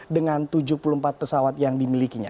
dengan tujuh puluh empat pesawat yang dimilikinya